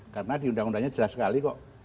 karena di undang undangnya jelas sekali kok